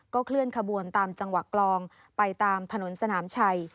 เคลื่อนขบวนตามจังหวะกลองไปตามถนนสนามชัย